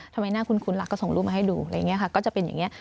ทำไมหน้าคุ้นล่ะก็ส่งรูปมาให้ดูอะไรอย่างนี้ค่ะก็จะเป็นอย่างนี้